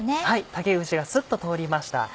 竹串がスッと通りました。